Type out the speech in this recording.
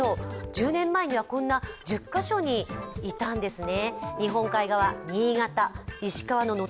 １０年前にはこんな１０か所にいたんですね。